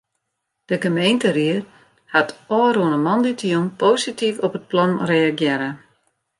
De gemeenteried hat ôfrûne moandeitejûn posityf op it plan reagearre.